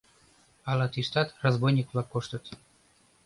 Ала тиштат разбойник-влак коштыт?